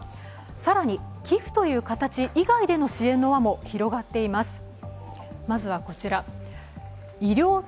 更に寄付という形以外での支援の輪も広がっています。